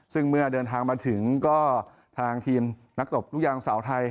ซึ่งเมื่อเดินทางมาถึงก็ทางทีมนักตบลูกยางสาวไทย